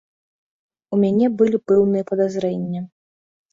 У мяне былі пэўныя падазрэнні.